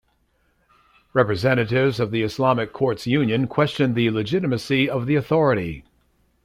Representatives of the Islamic Courts Union questioned the legitimacy of the authority.